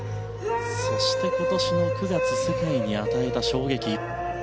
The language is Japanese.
そして今年の９月世界に与えた衝撃。